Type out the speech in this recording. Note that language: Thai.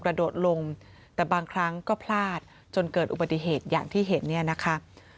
โดดลงแต่บางครั้งก็พลาดจนเกิดอุบัติเหตุอย่างที่เห็นเนี่ยนะคะ